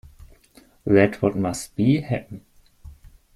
Let what must be, happen.